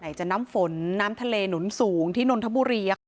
จะน้ำฝนน้ำทะเลหนุนสูงที่นนทบุรี